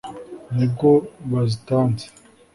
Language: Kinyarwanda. Ni bwo bazitanze,